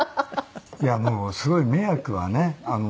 いやもうすごい迷惑はね